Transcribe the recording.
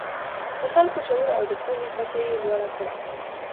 د خلکو شعور او د پوهې کچه یې لوړه کړه.